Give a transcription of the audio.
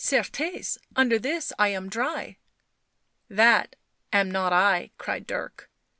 Certes, under this I am dry." " That am not I !" cried Dirk.